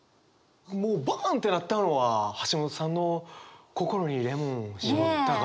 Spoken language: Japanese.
もうバンってなったのは橋本さんの「心にレモンをしぼった」がもう。